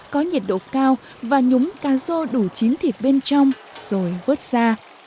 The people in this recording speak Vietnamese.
có nhiệt độ cao và nhúng cá rô đủ chín thịt bên trong rồi vớt ra